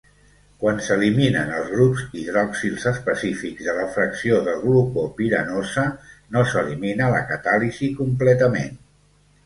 Quan s'eliminen els grups hidroxils específics de la fracció de glucopiranosa no s'elimina la catàlisi completament.